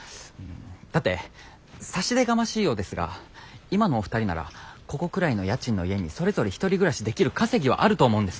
だって差し出がましいようですが今のお二人ならここくらいの家賃の家にそれぞれ１人暮らしできる稼ぎはあると思うんです。